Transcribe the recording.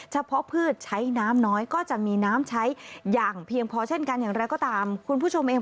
พืชใช้น้ำน้อยก็จะมีน้ำใช้อย่างเพียงพอเช่นกันอย่างไรก็ตามคุณผู้ชมเอง